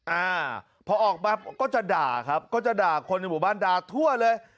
อ่าพอออกมาก็จะด่าครับก็จะด่าคนในหมู่บ้านด่าทั่วเลย